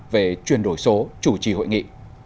về chuyển đổi số chủ trì hội nghị